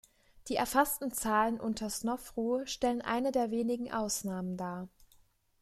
Die erfassten Zahlen unter Snofru stellen eine der wenigen Ausnahmen dar.